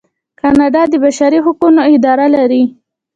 کاناډا د بشري حقونو اداره لري.